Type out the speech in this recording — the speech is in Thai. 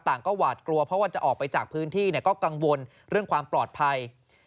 ก็หวาดกลัวเพราะว่าจะออกไปจากพื้นที่ก็กังวลเรื่องความปลอดภัย